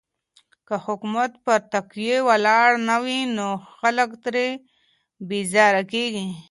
که حکومت پر تقوی ولاړ نه وي نو خلګ ترې بېزاره کيږي.